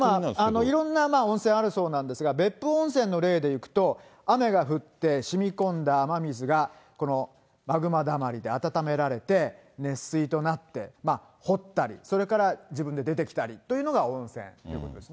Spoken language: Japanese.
いろんな温泉あるそうなんですけども、別府温泉の例でいくと、雨が降ってしみこんだ雨水がこのマグマだまりで温められて、熱水となって、掘ったり、それから自分で出てきたりというのが温泉ということですね。